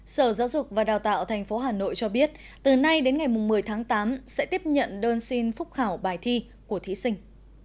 sở giáo dục và đào tạo tp hà nội cho biết từ nay đến ngày một mươi tháng tám sẽ tiếp nhận đơn xin phúc khảo bài thi của thí sinh